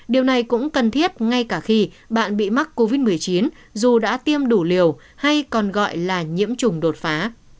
điều này cũng cần thiết ngay cả khi bạn bị mắc covid một mươi chín dù đã tiêm đủ liều hay còn gọi là nhiễm trùng đột phá